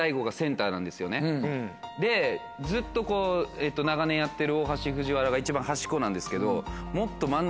でずっと長年やってる大橋藤原が一番端っこなんですけど。